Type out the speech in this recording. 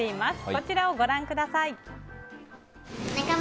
こちらをご覧ください。